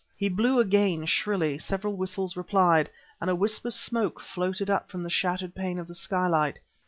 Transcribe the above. He blew again shrilly. Several whistles replied ... and a wisp of smoke floated up from the shattered pane of the skylight.